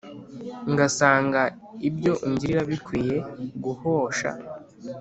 Ngasanga ibyo ungiriraBikwiye guhosha